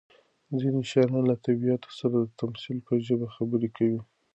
ځینې شاعران له طبیعت سره د تمثیل په ژبه خبرې کوي.